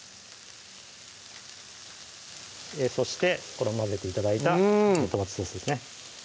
そしてこれも混ぜて頂いたトマトソースですね